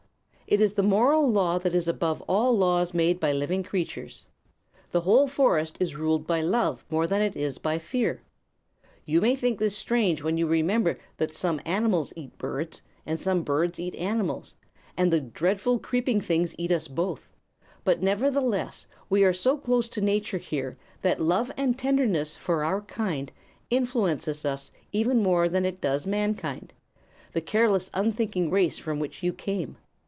It is the moral law that is above all laws made by living creatures. The whole forest is ruled by love more than it is by fear. You may think this is strange when you remember that some animals eat birds, and some birds eat animals, and the dreadful creeping things eat us both; but nevertheless we are so close to Nature here that love and tenderness for our kind influences us even more than it does mankind the careless and unthinking race from which you came.